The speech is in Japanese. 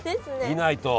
見ないと。